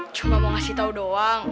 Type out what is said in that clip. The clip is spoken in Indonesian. cuma mau ngasih tau doang